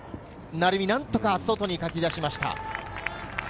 鳴海、なんとか外にかき出しました。